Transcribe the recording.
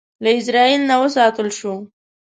له ازرائیل نه وساتل شو.